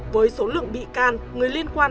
với số lượng bị can người liên quan